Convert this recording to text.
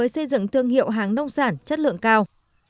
xây dựng thương hiệu hàng nông sản chất lượng cao